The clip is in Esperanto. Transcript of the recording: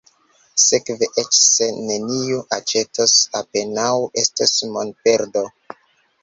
Sekve, eĉ se neniu aĉetos, apenaŭ estos monperdo.